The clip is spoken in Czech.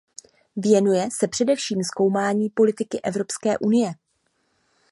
Věnuje se především zkoumání politiky Evropské unie.